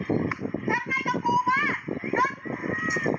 โอ้โหเป็นเกิดขึ้นกันก่อนค่ะ